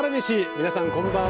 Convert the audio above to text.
皆さん、こんばんは。